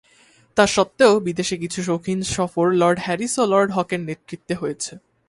তাস্বত্ত্বেও বিদেশে কিছু শৌখিন সফর লর্ড হ্যারিস ও লর্ড হকের নেতৃত্বে হয়েছে।